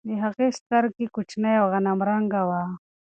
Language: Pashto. د هغې سترګې کوچنۍ او غنم رنګه وه.